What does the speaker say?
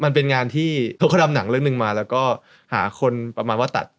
มันเป็นงานที่เขาทำหนังเรื่องหนึ่งมาแล้วก็หาคนประมาณว่าตัด